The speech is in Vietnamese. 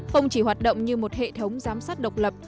không chỉ hoạt động như một hệ thống giám sát độc lập